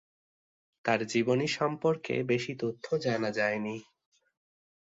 তার জীবনী সম্পর্কে বেশি তথ্য জানা যায়নি।